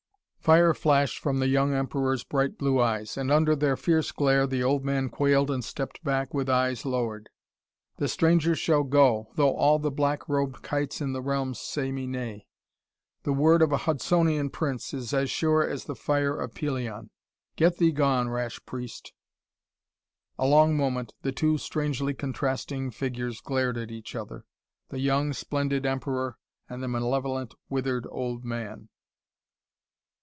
Fire flashed from the young Emperor's bright blue eyes, and under their fierce glare the old man quailed and stepped back with eyes lowered. "Altorius keeps his word," the Emperor thundered. "The strangers shall go, though all the black robed kites in the realm say me nay. The word of a Hudsonian prince is as sure as the fire of Pelion. Get thee gone, rash priest!" A long moment, the two strangely contrasting figures glared at each other, the young, splendid Emperor and the malevolent, withered old man.